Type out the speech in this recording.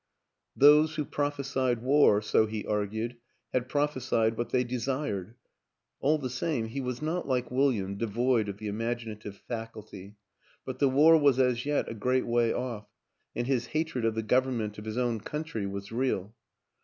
Those who prophesied war so he argued had proph esied what they desired. ... All the same, he was not, like William, devoid of the imaginative faculty; but the war was as yet a great way off and his hatred of the Government of his own country was real.